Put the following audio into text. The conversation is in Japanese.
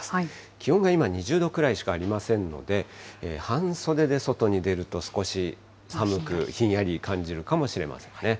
気温が今、２０度くらいしかありませんので、半袖で外に出ると、少し寒く、ひんやり感じるかもしれませんね。